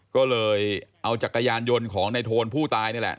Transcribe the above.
ก็เลยเอาจักรยานยนต์ของในโทนผู้ตายนี่แหละ